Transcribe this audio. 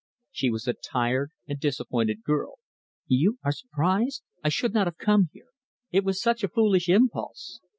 She was a tired and disappointed girl. "You are surprised I should not have come here! It was such a foolish impulse."